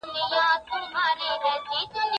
تاسو باید د شپې له خوا سپک خواړه وخورئ.